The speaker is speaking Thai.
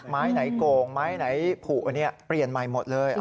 ไม้ไหนโกงไม้ไหนผูเปลี่ยนใหม่หมดเลย